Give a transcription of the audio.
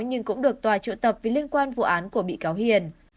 nhưng cũng được tòa triệu tập vì liên quan vụ án của bị cáo hiền